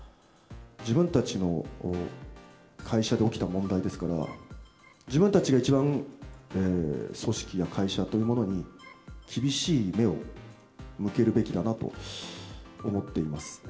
自分たちの会社で起きた問題ですから、自分たちが一番、組織や会社というものに厳しい目を向けるべきだなと思っています。